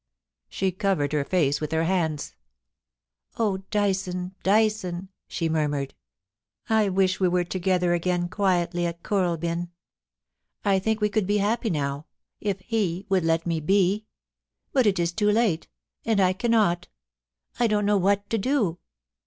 She covered her face with her hands. * Oh, Dyson, Dyson !* she murmured, * I wish we were together again quietly at Kooralbyn. I think we could be happy now, if Jie would let me be ; but it is too late, and I cannot — I don't know what to do.